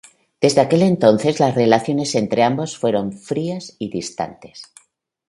Desde aquel entonces las relaciones entre ambos fueron frías y distantes.